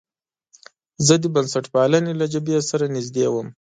زه د بنسټپالنې له جبهې سره نژدې وم.